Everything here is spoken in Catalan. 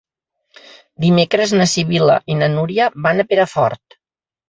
Dimecres na Sibil·la i na Núria van a Perafort.